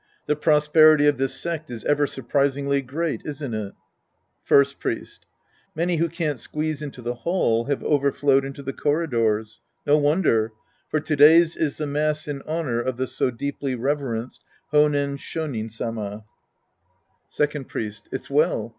The prosperity of this sect's ever surprisingly great, isn't it ? First Priest. Many who can't squeeze into the hall have overflowed into the corridors. No wonder, for to day's is the mass in honor of the so deeply reverenced Honen Sh5nin Sama. 60 The Priest and His Disciples Act 11 Second Priest. It's well.